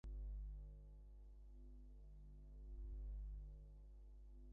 তাঁহাকে, না আমাকে, না বিধাতাকে।